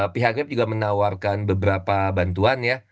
pihak grab juga menawarkan beberapa bantuan ya